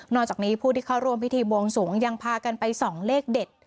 จากนี้ผู้ที่เข้าร่วมพิธีบวงสวงยังพากันไปส่องเลขเด็ด